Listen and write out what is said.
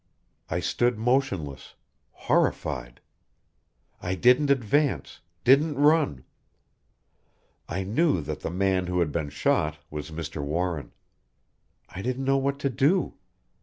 I stood motionless, horrified. I didn't advance, didn't run "I knew that the man who had been shot was Mr. Warren. I didn't know what to do.